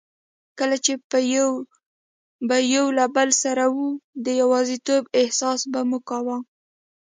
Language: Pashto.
کله چي به یو له بل سره وو، د یوازیتوب احساس به مو کاوه.